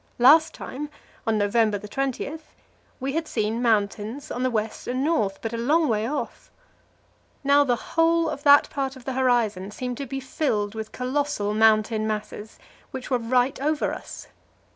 Last time on November 20 we had seen mountains on the west and north, but a long way off: Now the whole of that part of the horizon seemed to be filled with colossal mountain masses, which were right over us.